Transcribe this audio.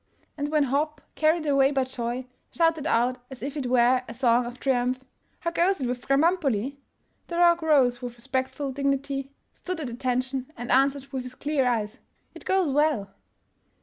' And when Hopp, carried away by joy, shouted out as if it were a song of triumph, " How goes it with my Krambambuli? " the dog rose with respectful dignity, stood at attention, and answered with his clear eyes, " It goes well!